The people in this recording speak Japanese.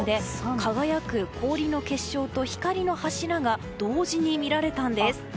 輝く氷の結晶と光の柱が同時に見られたんです。